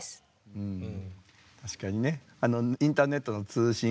うん。